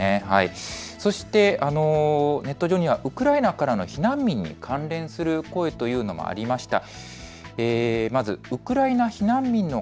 そしてネット上にはウクライナからの避難民に関連する声というのもありました。